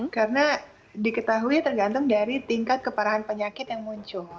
karena diketahui tergantung dari tingkat keparahan penyakit yang muncul